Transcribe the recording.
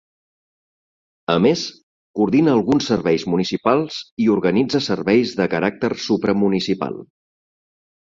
A més, coordina alguns serveis municipals i organitza serveis de caràcter supramunicipal.